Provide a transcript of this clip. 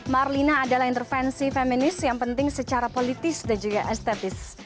marlina adalah intervensi feminis yang penting secara politis dan juga estetis